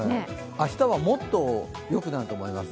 明日はもっとよくなると思います。